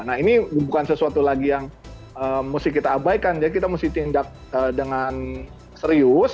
nah ini bukan sesuatu lagi yang mesti kita abaikan ya kita mesti tindak dengan serius